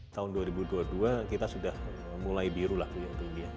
tahun dua ribu dua puluh dua kita sudah mulai biru lah untuk india